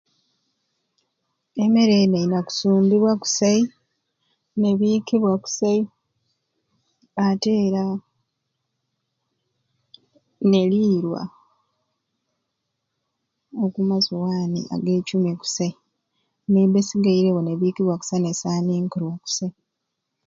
Emmere eni eyina kusumbibwa kusai nebikibwa kusia ate era n'eliirwa oku masuwani agejuni kusai neba esigeirwo nebikwiba kusai nesanikirwa kusai